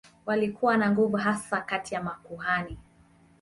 Walikuwa na nguvu hasa kati ya makuhani.